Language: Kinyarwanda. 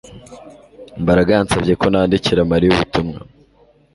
Mbaraga yansabye ko nandikira Mariya ubutumwa